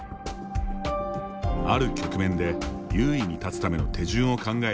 ある局面で優位に立つための手順を考える